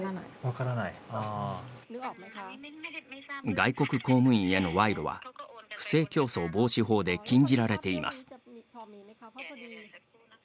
外国公務員への賄賂は不正競争防止法で禁じられています。